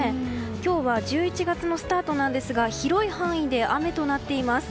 今日は１１月のスタートなんですが広い範囲で雨となっています。